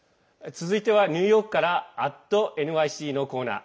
続いてはニューヨークから「＠ｎｙｃ」のコーナー。